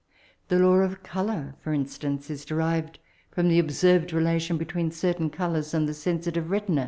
The law of colour, for in* stance, is derived from the observed relation between certain colours and the sensitive retina.